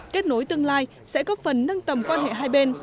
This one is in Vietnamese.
kết nối tương lai sẽ góp phần nâng tầm quan hệ hai bên